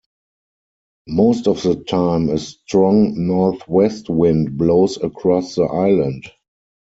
Most of the time a strong northwest wind blows across the island.